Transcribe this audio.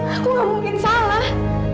aku gak mungkin salah